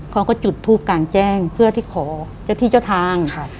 เขาก็จุดทูบการแจ้งเพื่อที่ขอที่เจ้าทางค่ะ